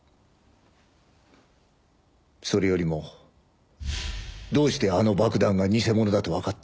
それよりもどうしてあの爆弾が偽物だとわかった？